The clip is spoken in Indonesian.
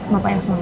bapak yang selalu